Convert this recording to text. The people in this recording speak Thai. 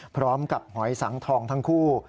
พร้อมกับหอยสังทองทั้งคู่